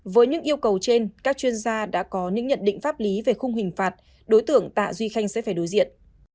với những yêu cầu trên các chuyên gia đã có những nhận định pháp lý về khung hình phạt đối tượng tạ duy khanh sẽ phải đối diện